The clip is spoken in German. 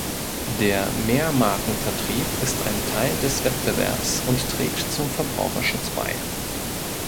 Der Mehrmarken-Vertrieb ist ein Teil des Wettbewerbs und trägt zum Verbraucherschutz bei.